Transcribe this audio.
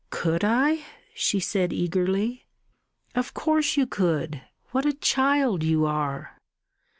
"Could I?" she said eagerly. "Of course you could. What a child you are!"